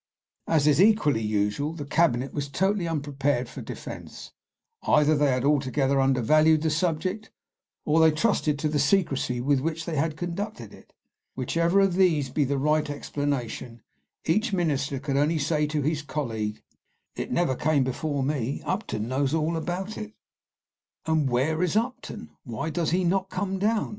As is equally usual, the cabinet was totally unprepared for defence; either they had altogether undervalued the subject, or they trusted to the secrecy with which they had conducted it; whichever of these be the right explanation, each minister could only say to his colleague, "It never came before me; Upton knows all about it." "And where is Upton? why does he not come down?"